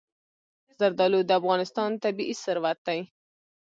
زردالو د افغانستان طبعي ثروت دی.